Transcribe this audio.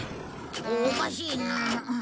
おかしいな。